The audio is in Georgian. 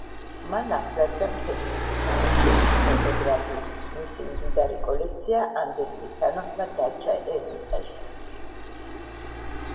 მან აღზარდა მთელი რიგი გამოჩენილი ფოტოგრაფი, მისი მდიდარი კოლექცია ანდერძის თანახმად დარჩა ერმიტაჟს.